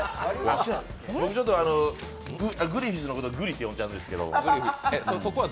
僕、グリフィスのことグリって呼んじゃうんですけど。